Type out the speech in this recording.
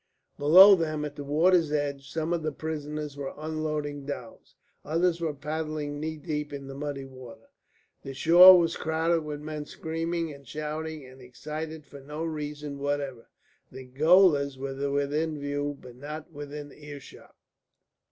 Below them, at the water's edge, some of the prisoners were unloading dhows, others were paddling knee deep in the muddy water. The shore was crowded with men screaming and shouting and excited for no reason whatever. The gaolers were within view, but not within ear shot.